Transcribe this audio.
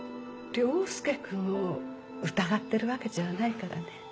凌介君を疑ってるわけじゃないからね。